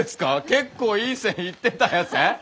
結構いい線いってたヤセー。